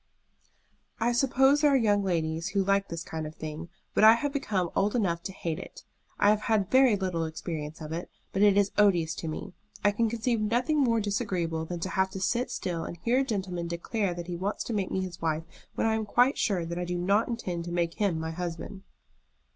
"I suppose there are young ladies who like this kind of thing, but I have become old enough to hate it. I have had very little experience of it, but it is odious to me. I can conceive nothing more disagreeable than to have to sit still and hear a gentleman declare that he wants to make me his wife, when I am quite sure that I do not intend to make him my husband."